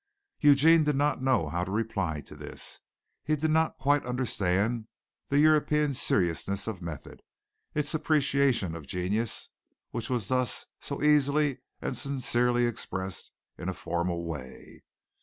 Eugene did not know how to reply to this. He did not quite understand the European seriousness of method, its appreciation of genius, which was thus so easily and sincerely expressed in a formal way.